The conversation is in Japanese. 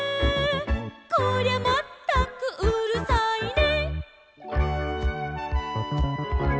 「こりゃまったくうるさいね」